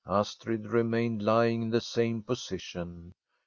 Astrid remained lying in the same posi tion.